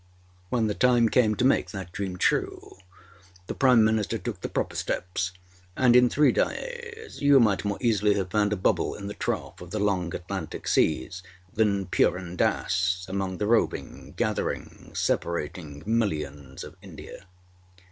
When the time came to make that dream true the Prime Minister took the proper steps, and in three days you might more easily have found a bubble in the trough of the long Atlantic seas, than Purun Dass among the roving, gathering, separating millions of India.